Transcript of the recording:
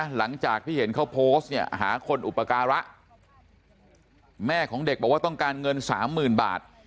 หลังจากที่เห็นเขาโพสต์เนี่ยหาคนอุปการะแม่ของเด็กบอกว่าต้องการเงินสามหมื่นบาท